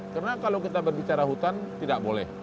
karena kalau kita berbicara hutan tidak boleh